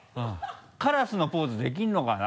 カラスのポーズできるのかな？